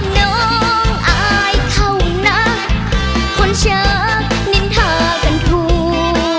น้องอายเขานักคนเชือกนินทากันทั่ว